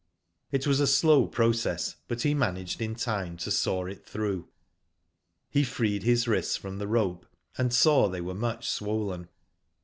It was a slow process, but he managed in time to saw it through. He freed his wrists from the rope, and saw they were much swollen.